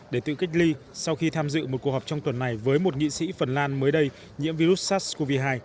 để tự cách ly sau khi tham dự một cuộc họp trong tuần này với một nghị sĩ phần lan mới đây nhiễm virus sars cov hai